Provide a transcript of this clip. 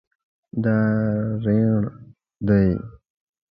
دا ریڼ دی